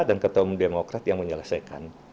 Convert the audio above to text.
dan ketua umum demokrat yang menyelesaikan